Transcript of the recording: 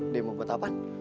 demo buat apaan